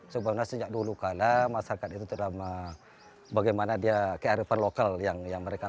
sebabnya sejak dulu kala masyarakat itu terdama bagaimana dia ke arah perlokal yang yang mereka